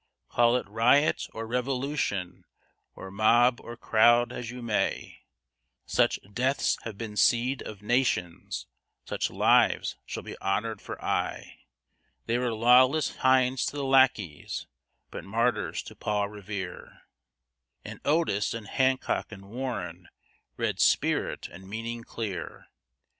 Call it riot or revolution, or mob or crowd, as you may, Such deaths have been seed of nations, such lives shall be honored for aye. They were lawless hinds to the lackeys but martyrs to Paul Revere; And Otis and Hancock and Warren read spirit and meaning clear.